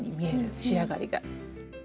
仕上がりが。